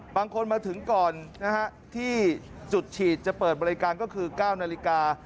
บางคนมาถึงก่อนนะฮะที่จุดฉีดจะเปิดบริการก็คือ๙นาฬิกา